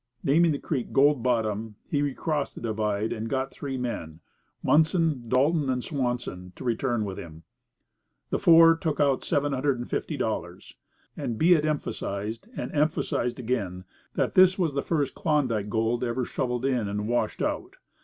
Naming the creek "Gold Bottom," he recrossed the divide and got three men, Munson, Dalton, and Swanson, to return with him. The four took out $750. And be it emphasized, and emphasized again, that this was the first Klondike gold ever shovelled in and washed out.